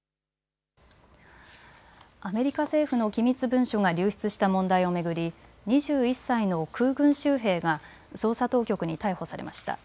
アメリカ政府の機密文書が流出した問題を巡り２１歳の空軍州兵が捜査当局に逮捕されました。